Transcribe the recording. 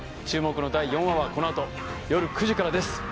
注目の第４話はこのあと夜９時からです